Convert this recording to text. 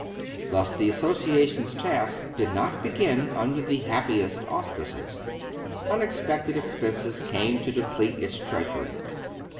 Thus the Association's task did not begin under the happiest auspices. Unex pected expenses came to deplete its treasury.